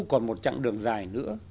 và dẫu còn một chặng đường dài nữa